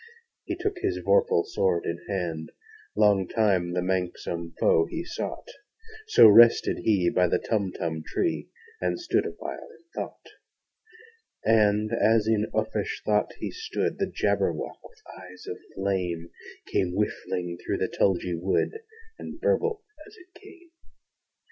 He took his vorpal sword in hand: Long time the manxome foe he sought So rested he by the Tumtum tree, And stood awhile in thought. And, as in uffish thought he stood, The Jabberwock, with eyes of flame, Came whiffling through the tulgey wood, And burbled as it came!